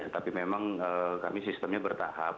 tapi memang kami sistemnya bertahap